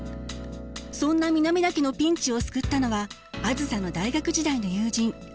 そんな南田家のピンチを救ったのはあづさの大学時代の友人赤松。